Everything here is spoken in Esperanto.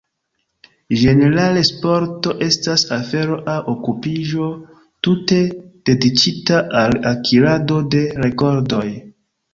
Ĝenerale sporto estas afero aŭ okupiĝo tute dediĉita al akirado de rekordoj.